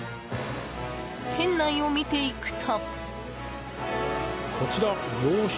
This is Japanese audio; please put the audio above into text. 店内を見ていくと。